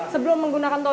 sebelum menggunakan toilet